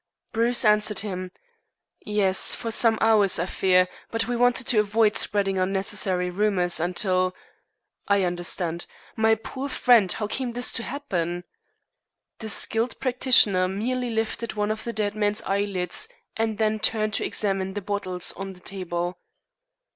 Bruce answered him: "Yes, for some hours, I fear, but we wanted to avoid spreading unnecessary rumors until " "I understand. My poor friend! How came this to happen?" The skilled practitioner merely lifted one of the dead man's eyelids, and then turned to examine the bottles on the table.